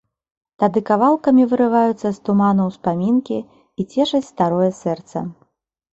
Тады кавалкамі вырываюцца з туману ўспамінкі і цешаць старое сэрца.